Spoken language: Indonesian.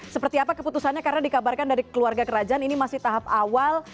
seperti apa keputusannya karena dikabarkan dari keluarga kerajaan ini masih tahap awal